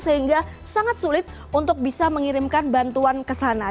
sehingga sangat sulit untuk bisa mengirimkan bantuan ke sana